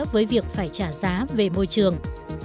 với việc phải trả giá về môi trường